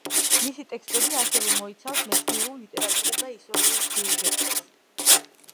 მისი ტექსტები ასევე მოიცავს მეცნიერულ, ლიტერატურულ და ისტორიულ სიუჟეტებს.